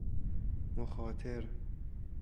مخاطر